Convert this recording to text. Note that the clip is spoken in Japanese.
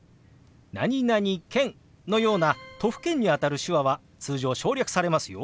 「何々県」のような都府県にあたる手話は通常省略されますよ。